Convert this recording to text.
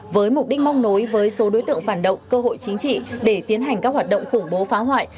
với mục đích mong nối với số đối tượng phản động cơ hội chính trị để tiến hành các hoạt động khủng bố phá hoại